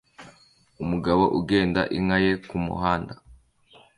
Umugabo ugenda inka ye kumuhanda